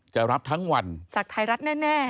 จะรับทั้งวันจากไทยรัฐแน่